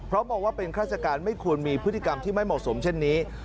เพราะมองว่าเป็นข้าราชการไม่ควรมีพฤติกรรมที่ไม่เหมาะสมเช่นนี้